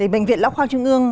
bệnh viện lão khoa trung ương